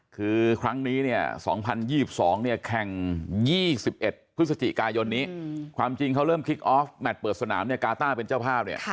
คือครั้งนี้๒๐๒๒แข่ง๒๑พฤศจิกายนความจริงเขาเริ่มคลิกออฟแมทเปิดสนามกาต้าเป็นเจ้าภาพ